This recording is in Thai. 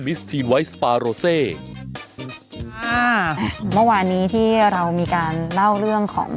เมื่อวานนี้ที่เรามีการเล่าเรื่องของ